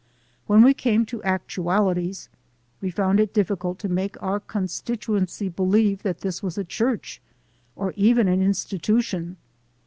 When we came to ac tualities, we found it difficult to make our constitu ency believe that this was a church, or even an in stitution.